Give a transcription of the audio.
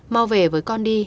mau về với con đi